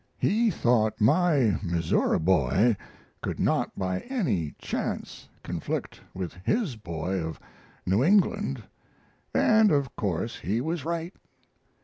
He thought my Missouri boy could not by any chance conflict with his boy of New England, and of course he was right."